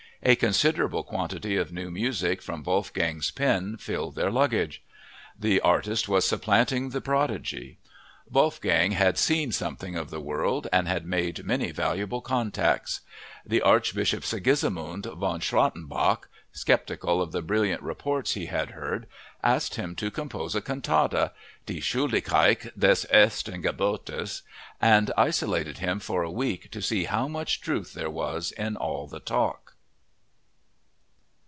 A considerable quantity of new music from Wolfgang's pen filled their luggage. The artist was supplanting the prodigy. Wolfgang had seen something of the world and had made many valuable contacts. The Archbishop, Sigismund von Schrattenbach, skeptical of the brilliant reports he had heard, asked him to compose a cantata—Die Schuldigkeit des ersten Gebotes—and isolated him for a week to see how much truth there was in all the talk.